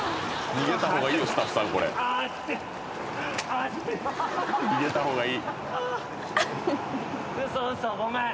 「逃げた方がいい」